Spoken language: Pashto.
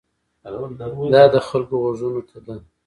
دا د خلکو غوږونو ته ده.